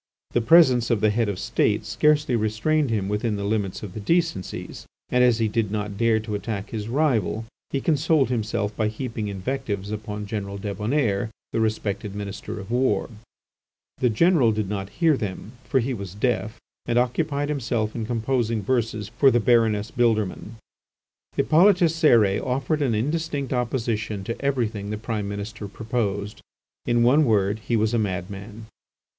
The presence of the Head of the State scarcely restrained him within the limits of the decencies, and as he did not dare to attack his rival he consoled himself by heaping invectives upon General Débonnaire, the respected Minister of War. The General did not hear them, for he was deaf and occupied himself in composing verses for the Baroness Bildermann. Hippolyte Cérès offered an indistinct opposition to everything the Prime Minister proposed. In a word, he was a madman.